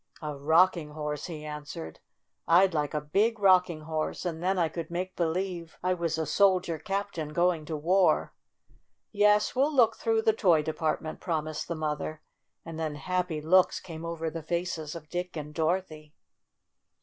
4 6 A rocking horse, '' he answered. "I'd like a big rocking horse, and then I could make believe I was a soldier captain go ing to war." "Yes, we'll look through the toy de partment," promised the mother, and then happy looks came over the faces of Dick and Dorothy.